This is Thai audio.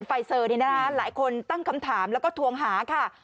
ไฟเซอร์หลายคนตั้งคำถามแล้วก็ทวงหาค่ะ